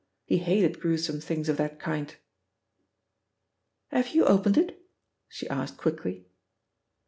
He hated gruesome things of that kind." "Have you opened it?" she asked quickly.